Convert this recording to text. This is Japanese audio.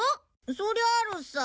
そりゃあるさ。